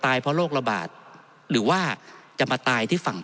ท่านประธานครับนี่คือสิ่งที่สุดท้ายของท่านครับ